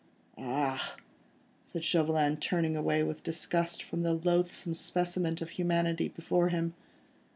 "Ah!" said Chauvelin, turning away with disgust from the loathsome specimen of humanity before him.